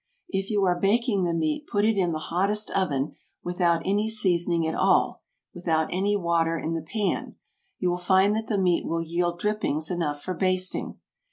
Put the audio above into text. If you are baking the meat put it in the hottest oven, without any seasoning at all, without any water in the pan. You will find that the meat will yield drippings enough for basting.